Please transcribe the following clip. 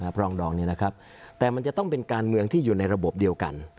ปรองดองนี้นะครับแต่มันจะต้องเป็นการเมืองที่อยู่ในระบบเดียวกัน